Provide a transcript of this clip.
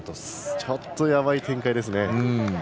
ちょっとやばい展開ですね。